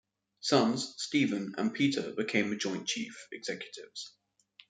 Sons, Steven and Peter, became joint chief executives.